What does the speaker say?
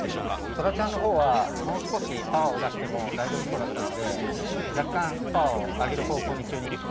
トラちゃんのほうはもう少しパワーを出しても大丈夫そうだったので若干パワーを上げる方向にチューニングしました。